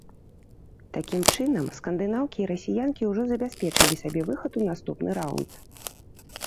Такім чынам, скандынаўкі і расіянкі ўжо забяспечылі сабе выхад у наступны раўнд.